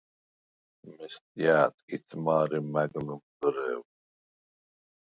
მესტია̄̈ ტკიც მა̄რე მა̈გ ლჷმზჷრე̄ვ ლი!